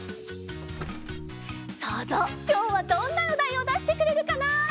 そうぞうきょうはどんなおだいをだしてくれるかな？